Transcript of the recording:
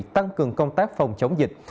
tăng cường công tác phòng chống dịch